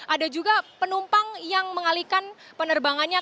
ada juga penumpang yang mengalihkan penerbangannya